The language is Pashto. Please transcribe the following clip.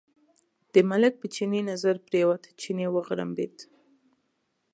د ملک په چیني نظر پرېوت، چیني وغړمبېد.